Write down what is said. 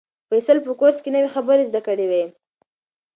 فیصل په کورس کې نوې خبرې زده کړې وې.